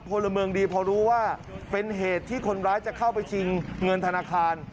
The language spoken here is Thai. พลเมืองดีพอรู้ว่าเป็นเหตุที่คนร้ายจะเข้าไปชิงเงินธนาคาร